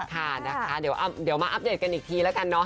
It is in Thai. ค่ะนะคะเดี๋ยวมาอัปเดตกันอีกทีแล้วกันเนาะ